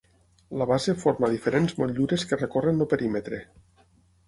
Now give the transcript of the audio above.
La base forma diferents motllures que recorren el perímetre.